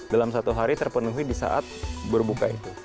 dalam satu hari terpenuhi disaat berbuka itu